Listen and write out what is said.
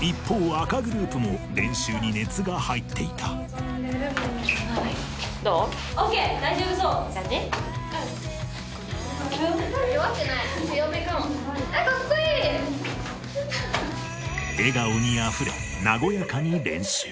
赤グループも練習に熱が入っていた笑顔にあふれ和やかに練習